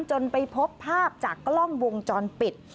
จนไปพบภาพจากกล้องวงจรปิด